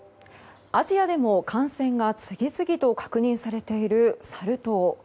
アジアでも感染が次々と確認されているサル痘。